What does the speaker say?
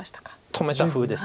止めたふうです。